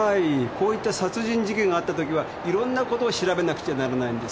こういった殺人事件があったときはいろんなことを調べなくちゃならないんです。